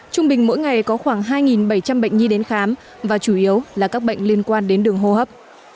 trung bình mỗi ngày có khoảng hai bảy trăm linh bệnh nhi đến khám và chủ yếu là các bệnh liên quan đến đường hô hấp